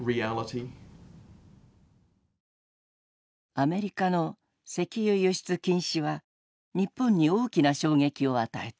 アメリカの石油輸出禁止は日本に大きな衝撃を与えた。